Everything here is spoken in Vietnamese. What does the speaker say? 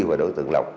và đối tượng lộc